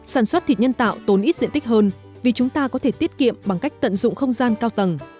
sản xuất thịt nhân tạo tốn ít diện tích hơn vì chúng ta có thể tiết kiệm bằng cách tận dụng không gian cao tầng